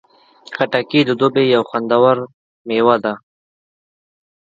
خټکی د دوبی یو خوندور میوه ده.